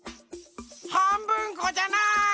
はんぶんこじゃない！